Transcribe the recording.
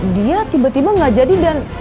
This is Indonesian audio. dia tiba tiba gak jadi dan